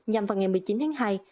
nhằm vào ngày một mươi chín hai